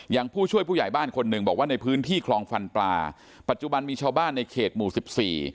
ผู้ช่วยผู้ใหญ่บ้านคนหนึ่งบอกว่าในพื้นที่คลองฟันปลาปัจจุบันมีชาวบ้านในเขตหมู่สิบสี่